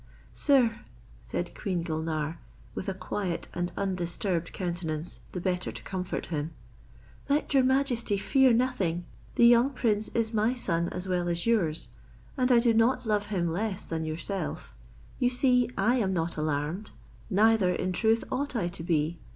"Sir," said queen Gulnare (with a quiet and undisturbed countenance, the better to comfort him), "let your majesty fear nothing; the young prince is my son as well as yours, and I do not love him less than yourself. You see I am not alarmed; neither in truth ought I to be.